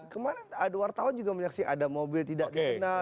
kemarin ada wartawan juga menyaksikan ada mobil tidak dikenal